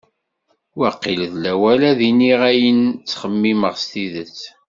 Waqil d lawan ad d-iniɣ ayen ttxemmimeɣ s tidet.